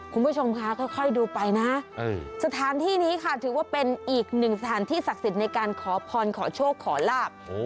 คุณผู้ชมคะค่อยดูไปนะสถานที่นี้ค่ะถือว่าเป็นอีกหนึ่งสถานที่ศักดิ์สิทธิ์ในการขอพรขอโชคขอลาบ